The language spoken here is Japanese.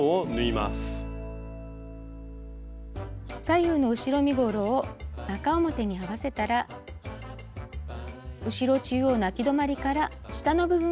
左右の後ろ身ごろを中表に合わせたら後ろ中央のあき止まりから下の部分を縫います。